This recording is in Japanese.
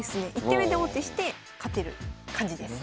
１手目で王手して勝てる感じです。